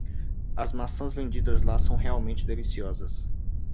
As maçãs vendidas lá são realmente deliciosas.